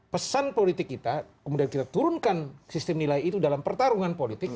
pesan politik kita kemudian kita turunkan sistem nilai itu dalam pertarungan politik